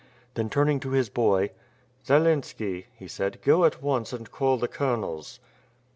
Then, turning to his boy: "Zelenski," he said, "go at once and call the colonels."